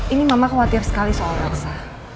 ini mama khawatir sekali soal maksa